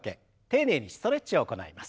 丁寧にストレッチを行います。